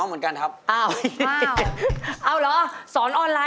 เฮ่ยสู้เสอะน่ะ